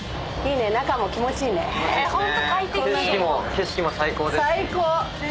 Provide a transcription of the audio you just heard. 景色も最高ですし。